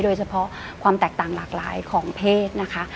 โดยเฉพาะความแตกต่างหลากหลายของเพศนะคะ